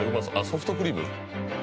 ソフトクリーム？